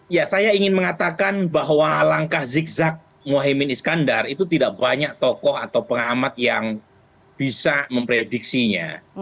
ya saya ingin mengatakan bahwa langkah zigzag mohaimin iskandar itu tidak banyak tokoh atau pengamat yang bisa memprediksinya